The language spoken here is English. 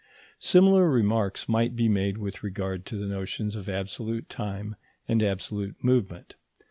Similar remarks might be made with regard to the notions of absolute time and absolute movement.